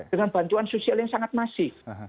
dengan bantuan sosial yang sangat masif